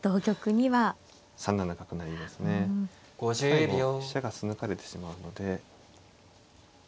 最後飛車が素抜かれてしまうので。